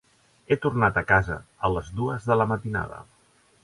He tornat a casa a les dues de la matinada.